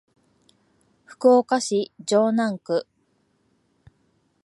福岡市城南区